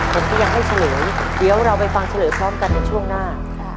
ผมก็ยังให้เฉลยเดี๋ยวเราไปฟังเฉลยพร้อมกันในช่วงหน้า